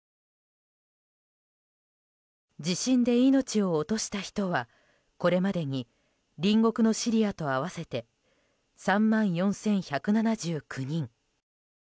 地震で命を落とした人はこれまでに隣国のシリアと合わせて３万４１７９人。